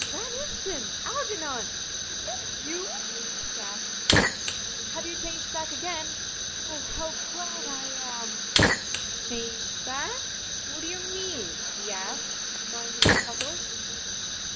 "" Van Ousten, Algernon, is that you? " she gasped. " Have you been changed back again? Oh, how glad I am !"" Changed back ! What do you mean? " he asked, trying to look puzzled.